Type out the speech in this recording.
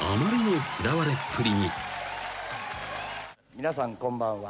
「皆さんこんばんは。